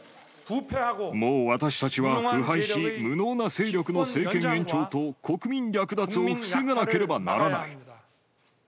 もう私たちは腐敗し無能な勢力の政権延長と国民略奪を防がなければならない。